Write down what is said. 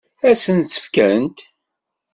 Ad sen-tt-fkent?